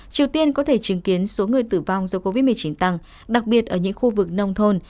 triều tiên có thể chứng kiến số người tử vong do covid một mươi chín tăng đặc biệt ở những khu vực nông thôn